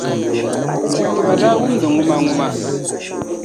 Ti tiba daa wum di ŋumaŋuma.